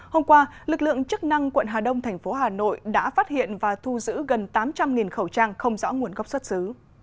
hôm qua lực lượng chức năng quận hà đông thành phố hà nội đã phát hiện và thu giữ gần tám trăm linh khẩu trang không rõ nguồn gốc xuất xứ